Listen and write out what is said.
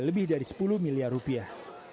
lebih dari sepuluh miliar rupiah